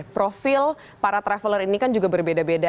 profil para traveler ini kan juga berbeda beda